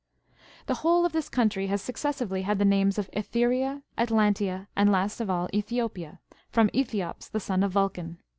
(30.) The whole of this country has successively had the names of .^theria,^ Atlantia, and last of all, Ethiopia, from ^thiops, the son of Yulcan.